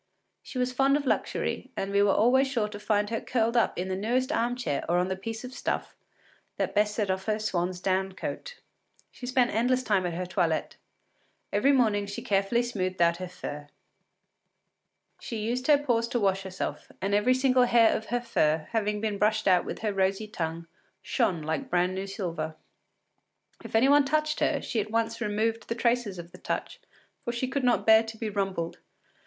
She was fond of luxury, and we were always sure to find her curled up in the newest arm chair or on the piece of stuff that best set off her swan’s down coat. She spent endless time at her toilet; every morning she carefully smoothed out her fur. She used her paws to wash herself, and every single hair of her fur, having been brushed out with her rosy tongue, shone like brand new silver. If any one touched her, she at once removed the traces of the touch, for she could not bear to be rumpled.